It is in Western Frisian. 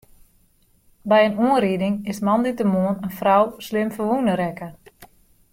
By in oanriding is moandeitemoarn in frou slim ferwûne rekke.